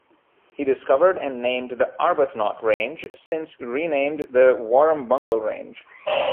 He discovered and named the Arbuthnot Range, since renamed the Warrumbungle Range.